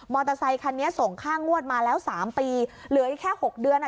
อเตอร์ไซคันนี้ส่งค่างวดมาแล้วสามปีเหลืออีกแค่หกเดือนอ่ะ